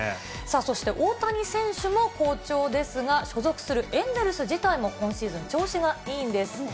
そして大谷選手も好調ですが、所属するエンゼルス自体も、今シーズン調子がいいんです。